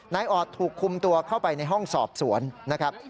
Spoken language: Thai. ออดถูกคุมตัวเข้าไปในห้องสอบสวนนะครับ